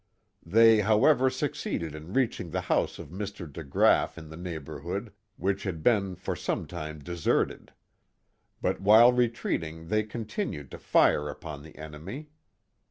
They, however, succeeded in reaching the house of Mr. DeGraaf in the neighborhood, which had been for some time deserted. But while retreating they continued to fire upon the enemy.